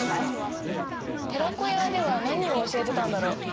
寺子屋では何を教えてたんだろう？